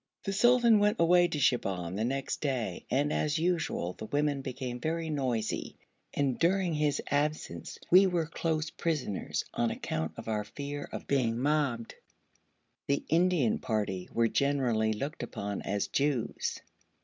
The sultan went away to Shibahm the next day, and, as usual, the women became very noisy, and during his absence we were close prisoners, on account of our fear of being mobbed. The Indian party were generally looked upon as Jews.